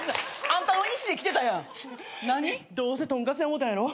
どうせ豚カツや思ったんやろ。